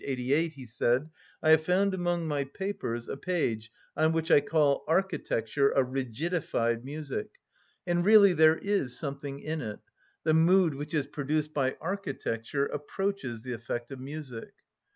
88, he said: "I have found among my papers a page on which I call architecture a rigidified music; and really there is something in it; the mood which is produced by architecture approaches the effect of music."